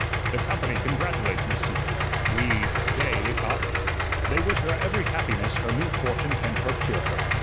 The company congratulates Miss Sieppe. We they ah They wish her every happiness her new fortune can procure her.